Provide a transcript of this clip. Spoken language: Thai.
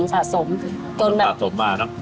สะสมงั้นพอเลย